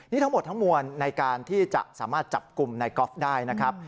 นี่ทั้งหมดทั้งมวลในการที่จะสามารถจับกลุ่มในกอล์ฟได้นะครับ